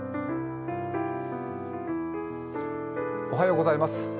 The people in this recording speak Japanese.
おはようございます。